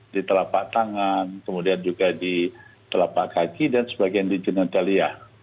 di telapak tangan kemudian juga di telapak kaki dan sebagian di jenetalia